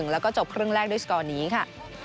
แล้วก็จบครึ่งแรกด้วยสกอร์นี้ค่ะ